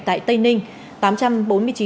tại tây ninh